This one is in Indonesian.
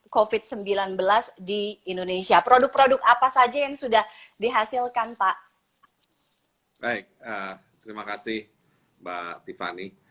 covid sembilan belas di indonesia produk produk apa saja yang sudah dihasilkan pak baik terima kasih mbak tiffany